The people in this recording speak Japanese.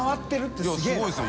いすごいですよ！